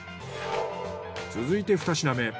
続いて２品目。